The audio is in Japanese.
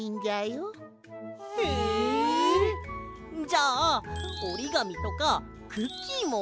じゃあおりがみとかクッキーも？